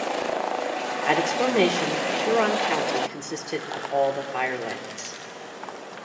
At its formation, Huron County consisted of all the Firelands.